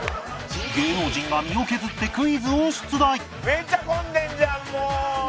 芸能人が身を削ってクイズを出題